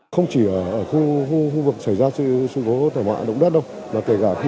không chỉ ở khu vực xảy ra sự xung phố thảm họa động đất đâu